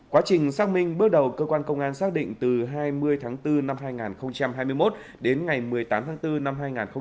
quá trình xác minh bước đầu cơ quan công an xác định từ hai mươi tháng bốn năm hai nghìn hai mươi một đến ngày một mươi tám tháng bốn năm hai nghìn hai mươi ba